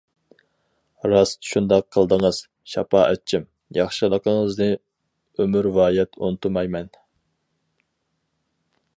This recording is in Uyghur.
-راست شۇنداق قىلدىڭىز، شاپائەتچىم، ياخشىلىقىڭىزنى ئۆمۈرۋايەت ئۇنتۇمايمەن.